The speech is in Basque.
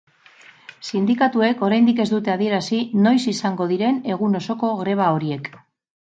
Sindikatuek oraindik ez dute adierazi noiz izango diren egun osoko greba horiek.